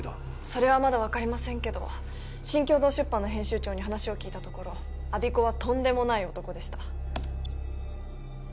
それはまだ分かりませんけど新京堂出版の編集長に話を聞いたところ我孫子はとんでもない男でしたＮＰＯ法人